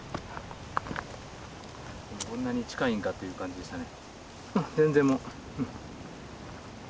こんなに近いんかっていう感じでしたね。